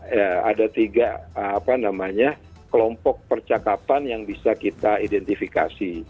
ya ada tiga kelompok percakapan yang bisa kita identifikasi